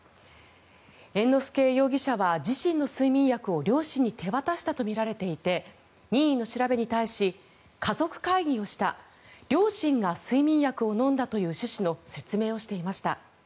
猿之助容疑者は自身の睡眠薬を両親に手渡したとみられていて任意の調べに対し家族会議をした両親が睡眠薬を飲んだという趣旨の説明をしていました。